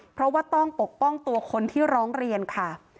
เพราะว่าต้องปกป้องตัวคนที่ร้องเรียนค่ะ